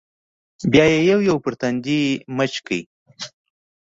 بيا يې يو يو پر ټنډه ښکل کړل.